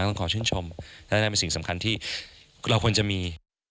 ต้องขอชื่นชมและนั่นเป็นสิ่งสำคัญที่เราควรจะมี